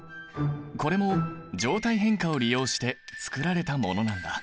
これも状態変化を利用して作られたものなんだ。